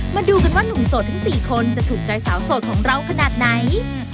มาดูกันว่าหนุ่มโสดทั้ง๔คนจะถูกใจสาวโสดของเราขนาดไหน